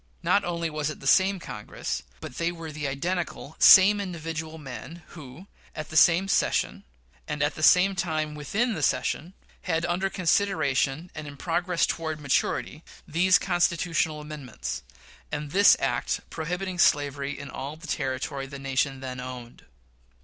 Not only was it the same Congress, but they were the identical same individual men who, at the same session, and at the same time within the session, had under consideration, and in progress toward maturity, these Constitutional amendments, and this act prohibiting slavery in all the territory the nation then owned.